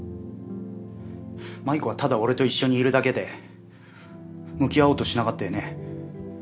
麻衣子はただ俺と一緒にいるだけで向き合おうとしなかったよね。